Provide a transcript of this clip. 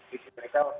di situ mereka